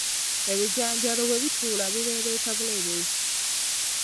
Ebijanjaalo bwe bittulula bireebeeta buleebeesi.